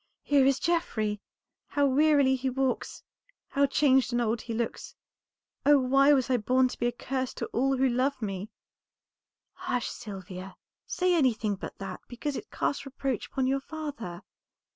"Here is Geoffrey! How wearily he walks, how changed and old he looks, oh, why was I born to be a curse to all who love me!" "Hush, Sylvia, say anything but that, because it casts reproach upon your father.